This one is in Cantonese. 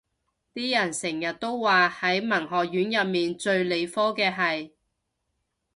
啲人成日都話係文學院入面最理科嘅系